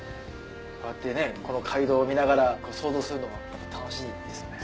こうやってこの街道を見ながら想像するの楽しいですね。